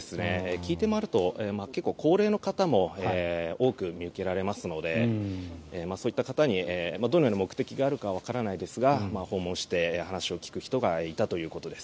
聞いて回ると、結構高齢の方も多く見受けられますのでそういった方にどのような目的があるかはわからないですが訪問して、話を聞く人がいたということです。